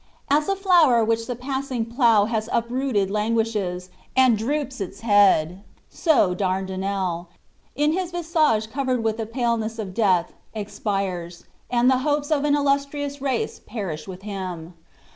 As a flower which the passing plough has uprooted languishes, and droops its head, so Dardinel, his visage covered with the paleness of death, expires, and the hopes of an illustrious race perish with him.